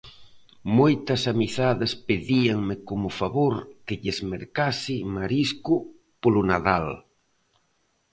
Moitas amizades pedíanme como favor que lles mercase marisco polo Nadal.